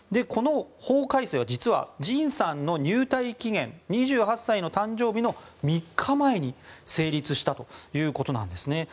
この法改正は実はＪＩＮさんの入隊期限２８歳の誕生日の３日前に成立したということなんです。